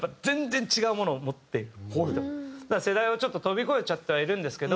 だから世代をちょっと飛び越えちゃってはいるんですけど